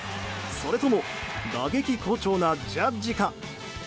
それとも打撃好調なジャッジか。